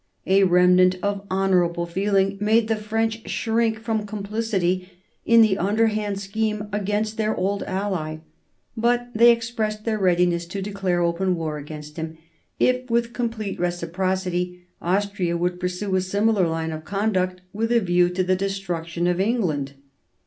A remnant of honourable feeling made the French shrink from complicity in the underhand scheme against their old ally, but they expressed their readiness to declare open war against him, if with complete reciprocity Austria would pursue a similar line of conduct with a view to the destruction of England.